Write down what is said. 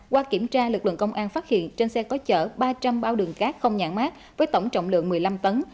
qua kiểm tra lực lượng công an phát hiện trên xe có chở ba trăm linh bao đường cát không nhãn mát với tổng trọng lượng một mươi năm tấn